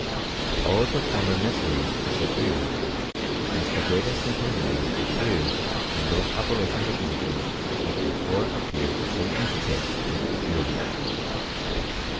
All the T mysteries disappear, and the greatest simplicity irs in those operations of nature which before tred so intricate and obscure.